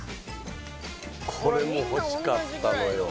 これも欲しかったのよ